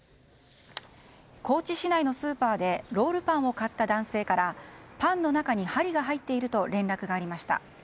高知市内のスーパーでロールパンを買った男性からパンの中に針が入っていると連絡がありました。